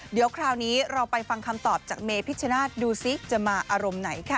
เดี๋ยวคราวนี้เราไปฟังคำตอบจากเมพิชชนาธิ์ดูซิจะมาอารมณ์ไหนค่ะ